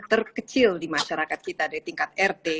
terkecil di masyarakat kita di tingkat rt